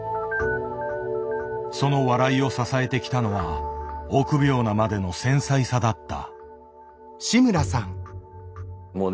その笑いを支えてきたのは臆病なまでの繊細さだった。